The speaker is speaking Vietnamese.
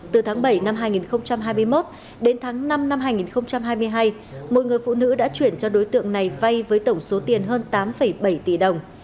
từ tháng bảy năm hai nghìn hai mươi một đến tháng năm năm hai nghìn hai mươi hai mỗi người phụ nữ đã chuyển cho đối tượng này vay với tổng số tiền hơn tám bảy tỷ đồng